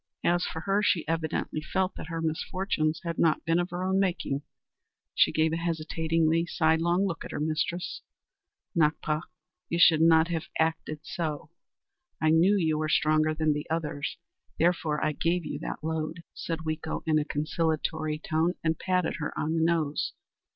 As for her, she evidently felt that her misfortunes had not been of her own making. She gave a hesitating, sidelong look at her mistress. "Nakpa, you should not have acted so. I knew you were stronger than the others, therefore I gave you that load," said Weeko in a conciliatory tone, and patted her on the nose.